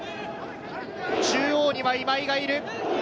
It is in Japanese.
中央には今井がいる。